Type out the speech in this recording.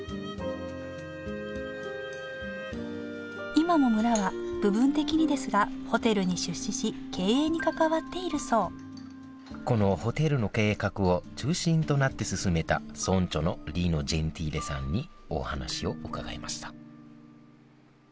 今も村は部分的にですがホテルに出資し経営に関わっているそうこのホテルの計画を中心となって進めた村長のリノ・ジェンティーレさんにお話を伺いました